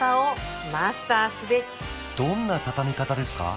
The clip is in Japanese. どんな畳み方ですか？